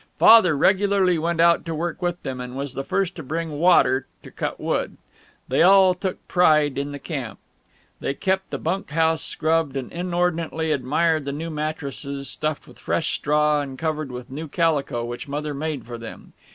Father regularly went out to work with them, and was the first to bring water, to cut wood. They all took a pride in the camp. They kept the bunk house scrubbed, and inordinately admired the new mattresses, stuffed with fresh straw and covered with new calico, which Mother made for them.